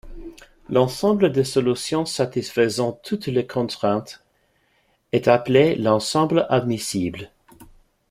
L'ensemble des solutions satisfaisant toutes les contraintes est appelé l'ensemble admissible.